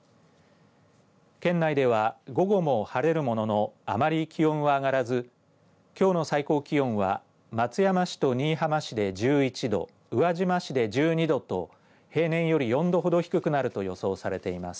県内では、午後も晴れるもののあまり気温は上がらずきょうの最高気温は松山市と新居浜市で１１度宇和島市で１２度と平年より４度ほど低くなると予想されています。